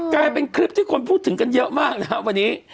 กลายเป็นคลิปที่คนพูดถึงกันเยอะมากนะครับวันนี้